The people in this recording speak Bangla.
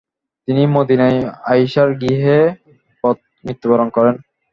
তিনি মদিনায় আয়িশার গৃহে মৃত্যুবরণ করেন।